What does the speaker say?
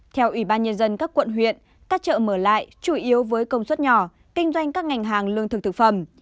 theo ủy ban nhân dân các quận huyện các chợ mở lại chủ yếu với công suất nhỏ kinh doanh các ngành hàng lương thực thực phẩm